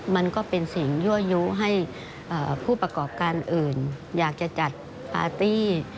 มันก็เป็นสิ่งยั่วยู้ให้ผู้ประกอบการอื่นอยากจะจัดปาร์ตี้